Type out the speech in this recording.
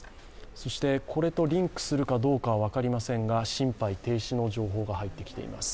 そしてこれとリンクするかどうかは分かりませんが心肺停止の情報が入ってきています。